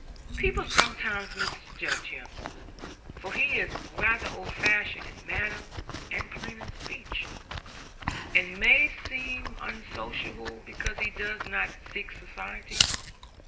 "People sometimes misjudge him, for he is rather old fashioned in manner and plain in speech, and may seem unsocial, because he does not seek society.